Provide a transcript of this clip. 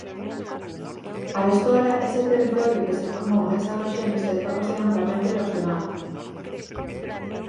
Arestora esa territorio que se formou nesa oroxénese atópase amplamente erosionado.